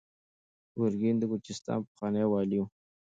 ګورګین د ګرجستان پخوانی والي و.